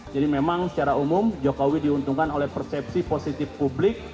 jadi memang secara umum jokowi diuntungkan oleh persepsi positif publik